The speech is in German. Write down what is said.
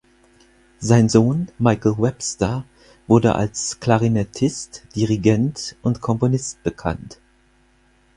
Sein Sohn Michael Webster wurde als Klarinettist, Dirigent und Komponist bekannt.